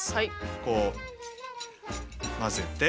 こう混ぜて。